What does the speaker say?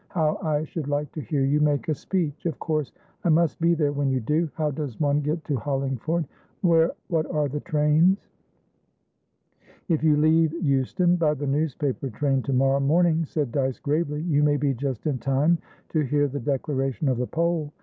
How I should like to hear you make a speech! Of course I must be there when you do. How does one get to Hollingford? What are the trains?" "If you leave Euston by the newspaper train to morrow morning," said Dyce, gravely, "you may be just in time to hear the declaration of the poll.